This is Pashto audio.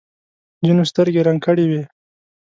ځینو سترګې رنګ کړې وي.